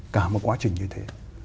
cả một quá trình như thế